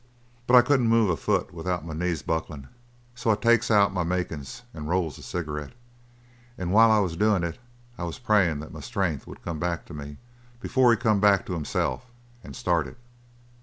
"But I couldn't move a foot without my knees bucklin', so I takes out my makin's and rolls a cigarette. And while I was doin' it I was prayin' that my strength would come back to me before he come back to himself and started!"